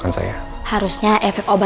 tangan kamu kena luka bakar